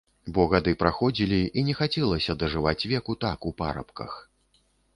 Бо гады праходзілі, і не хацелася дажываць веку так у парабках.